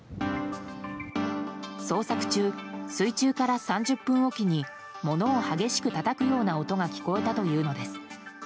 捜索中、水中から３０分おきにものを激しくたたくような音が聞こえたというのです。